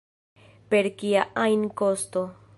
Per kia ajn kosto.